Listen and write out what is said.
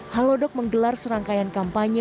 halodok menggelar serangkaian kampanye